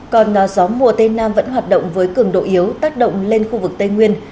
còn gió mùa tây nam vẫn hoạt động với cường độ yếu tác động lên khu vực tây nguyên